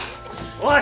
おい！